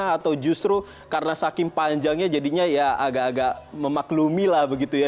atau justru karena saking panjangnya jadinya ya agak agak memaklumi lah begitu ya